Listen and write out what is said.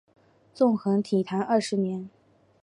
纵横体坛二十年。